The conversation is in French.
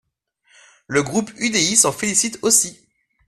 Le groupe UDI s’en félicite aussi.